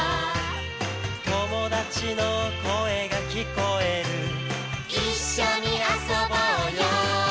「友達の声が聞こえる」「一緒に遊ぼうよ」